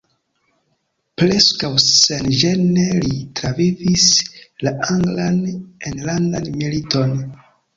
Preskaŭ senĝene li travivis la anglan enlandan militon.